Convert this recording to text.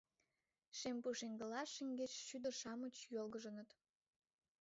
Шем пушеҥгыла шеҥгеч шӱдыр-шамыч йолгыжыныт.